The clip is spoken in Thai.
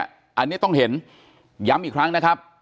อันนี้ต้องเห็นย้ำอีกครั้งนะครับ